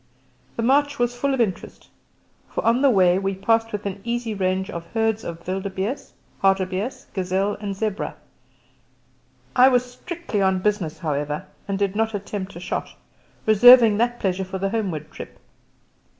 The march was full of interest, for on the way we passed within easy range of herds of wildebeeste, hartebeeste, gazelle, and zebra. I was out strictly on business, however, and did not attempt a shot, reserving that pleasure for the homeward trip.